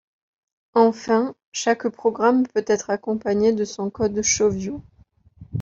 Enfin, chaque programme peut être accompagné de son code ShowView.